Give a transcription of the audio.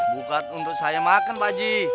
bukan untuk saya makan pak haji